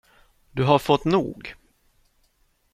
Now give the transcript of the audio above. Du har fått nog.